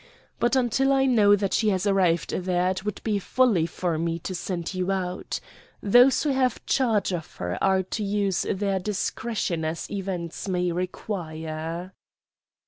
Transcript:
But until I know that she has arrived there it would be folly for me to send you out. Those who have charge of her are to use their discretion as events may require."